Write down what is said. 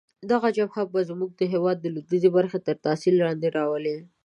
دغه جبهه به زموږ د هیواد لویدیځې برخې تر تاثیر لاندې راولي.